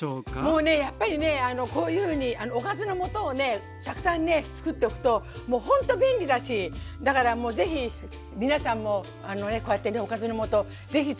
もうねやっぱりねこういうふうにおかずの素をねたくさんね作っておくともうほんと便利だしだからもう是非皆さんもあのねこうやってねおかずの素是非作ってみて下さい。